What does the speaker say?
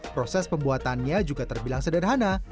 proses pembuatannya juga terbilang sederhana